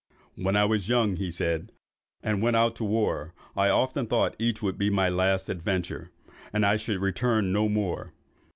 "When I was young," he said, "and went out to war, I often thought each would be my last adventure, and I should return no more.